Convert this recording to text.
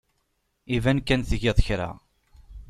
Iban kan tgid kra.